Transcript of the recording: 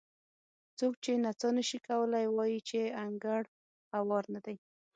څوک چې نڅا نه شي کولی وایي چې انګړ هوار نه دی.